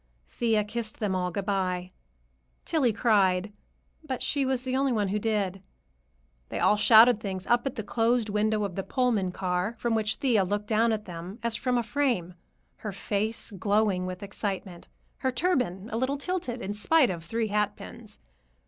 Thea kissed them all good bye. Tillie cried, but she was the only one who did. They all shouted things up at the closed window of the Pullman car, from which Thea looked down at them as from a frame, her face glowing with excitement, her turban a little tilted in spite of three hatpins.